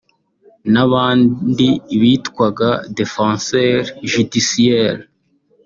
n’abandi bitwaga ‘Defenseur Judiciaires’